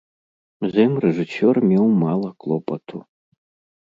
З ім рэжысёр меў мала клопату.